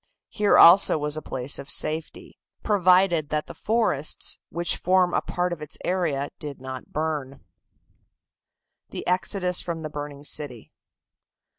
Here also was a place of safety, provided that the forests which form a part of its area did not burn. THE EXODUS FROM THE BURNING CITY.